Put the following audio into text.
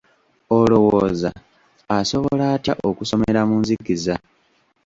Olowooza asobola atya okusomera mu nzikiza?